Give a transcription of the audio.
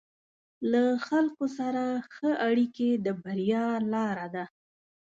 له خلکو سره ښه اړیکې د بریا لاره ده.